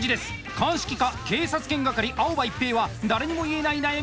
鑑識課警察犬係青葉一平は誰にも言えない悩みを抱えていました。